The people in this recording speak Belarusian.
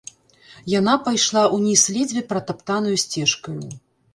Яна пайшла ўніз ледзьве пратаптанаю сцежкаю.